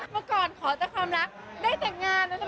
เมื่อก่อนขอแต่ความรักได้แต่งงานนะคะ